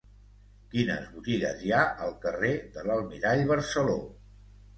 Quines botigues hi ha al carrer de l'Almirall Barceló?